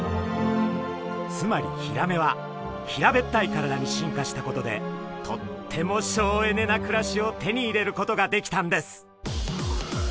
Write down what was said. つまりヒラメは平べったい体に進化したことでとっても省エネな暮らしを手に入れることができたんです。